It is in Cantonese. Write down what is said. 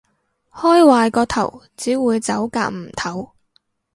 開壞個頭，只會走夾唔唞